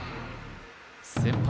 先輩